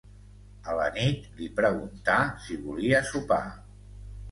A la nit, li preguntà si volia sopar.